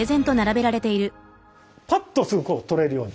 パッとすぐこう取れるように。